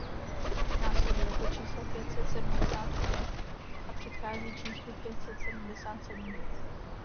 Následuje po čísle pět set sedmdesát pět a předchází číslu pět set sedmdesát sedm.